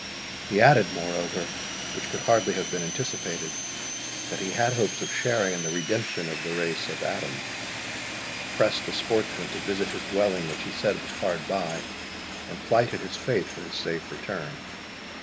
He added, moreover, which could hardly have been anticipated, that he had hopes of sharing in the redemption of the race of Adam. He pressed the sportsman to visit his dwelling, which he said was hard by, and plighted his faith for his safe return.